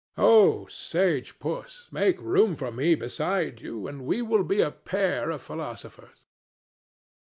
—Oh, sage puss, make room for me beside you, and we will be a pair of philosophers.